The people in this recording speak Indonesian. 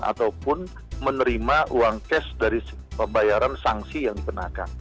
ataupun menerima uang cash dari pembayaran sanksi yang dikenakan